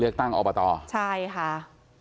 เลือกตั้งใช่ค่ะ